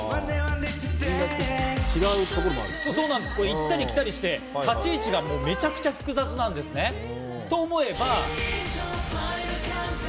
行ったり来たりして、立ち位置がめちゃくちゃ複雑なんですね。と思えば。